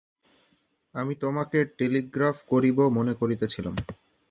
আমি তোমাকে টেলিগ্রাফ করিব মনে করিতেছিলাম।